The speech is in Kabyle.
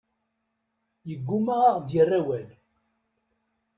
Yeggumma ad aɣ-d-yerr awal.